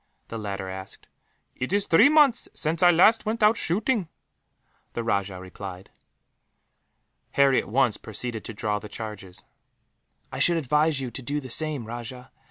the latter asked. "It is three months since I last went out shooting," the rajah replied. Harry at once proceeded to draw the charges. "I should advise you to do the same, Rajah.